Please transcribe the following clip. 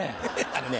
あのね